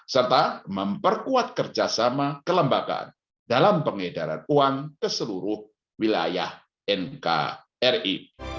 serta memperkuat kerjasama kelembagaan dalam pengedaran uang ke seluruh wilayah nkri